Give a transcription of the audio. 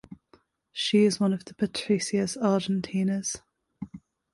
She is one of the Patricias Argentinas.